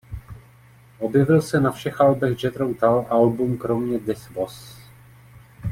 Objevil se na všech albech Jethro Tull album kromě "This Was".